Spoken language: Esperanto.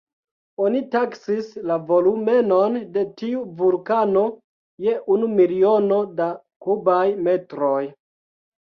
Oni taksis la volumenon de tiu vulkano je unu miliono da kubaj metroj.